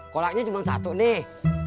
koloknya cuma satu nih